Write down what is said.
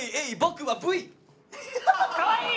かわいい！